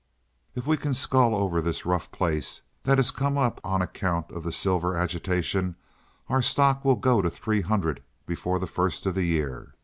If we can scull over this rough place that has come up on account of the silver agitation our stock will go to three hundred before the first of the year.